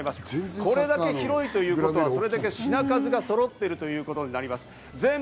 これだけ広いということは、それだけ品数がそろっていることになります。